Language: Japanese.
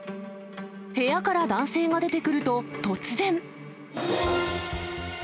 部屋から男性が出てくると、突然。